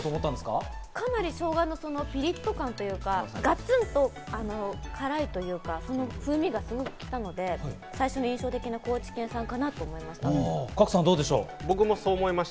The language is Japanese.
かなりしょうがのピリッと感というか、ガツンと辛いというか、風味がすごく来たので、最初に印象的な高賀来さんは？